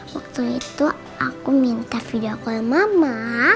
waktu itu aku minta video call mama